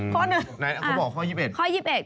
ข้อหนึ่งคือบอกข้อ๒๑